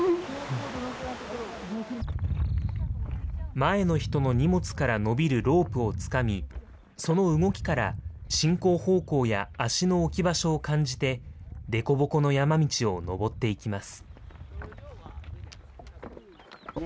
前の人の荷物から伸びるロープをつかみ、その動きから、進行方向や足の置き場所を感じて、凸凹の山道を登っていきます。